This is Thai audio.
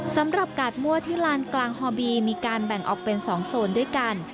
สำหรับกาดมั่วที่ลานกลางฮอบีมีการแบ่งออกเป็น๒โซนด้วยกัน